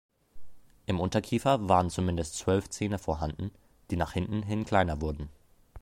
Im Unterkiefer waren zumindest zwölf Zähne vorhanden, die nach hinten hin kleiner wurden.